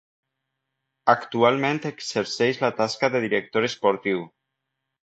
Actualment exerceix la tasca de director esportiu.